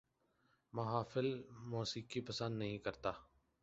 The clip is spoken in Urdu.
محافل موسیقی پسند نہیں کرتا